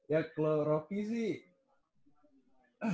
ya kalau rocky sih